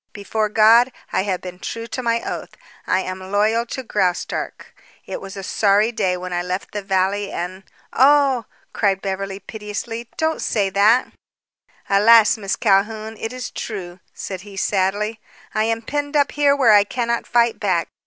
Before God, I have been true to my oath. I am loyal to Graustark. It was a sorry day when I left the valley and " "Oh!" cried Beverly piteously. "Don't say that." "Alas, Miss Calhoun, it is true," said he sadly, "I am penned up here where I cannot fight back.